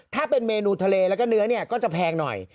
ถ้าเป็นเมนูทะเลแล้วก็เนื้อเนี่ยก็จะแพงหน่อย